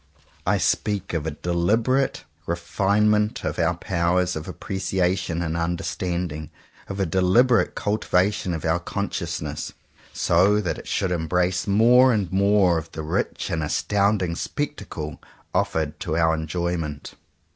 I speak of a deliberate refinement of our powers of appreciation and under standing; of a deliberate cultivation of our consciousness, so that it should embrace 83 CONFESSIONS OF TWO BROTHERS more and more of the rich and astounding spectacle offered to our enjoyment.